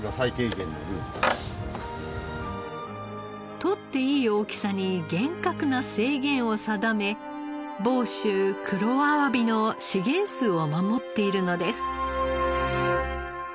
獲っていい大きさに厳格な制限を定め房州黒あわびの資源数を守っているのです。